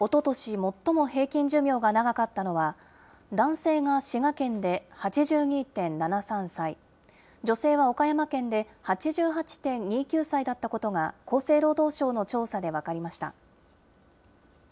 最も平均寿命が長かったのは、男性が滋賀県で８２．７３歳、女性は岡山県で８８．２９歳だったことが、厚生労働省の調査で分かりました。